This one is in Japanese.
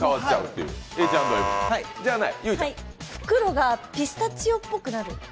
袋がピスタチオっぽくなる。